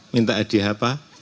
minta hadiah apa